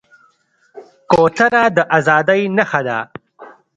کوتره د ازادۍ نښه ده.